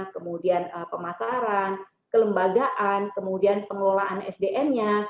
kemudian pemasaran kelembagaan kemudian pengelolaan sdm nya